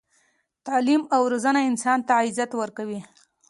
تعلیم او روزنه انسان ته عزت ورکوي.